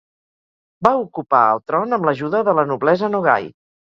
Va ocupar el tron amb l'ajuda de la noblesa Nogay.